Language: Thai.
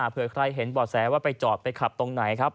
เพื่อใครเห็นบ่อแสว่าไปจอดไปขับตรงไหนครับ